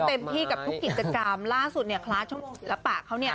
เต็มที่กับทุกกิจกรรมล่าสุดเนี่ยคลาสชั่วโมงแล้วปากเขาเนี่ย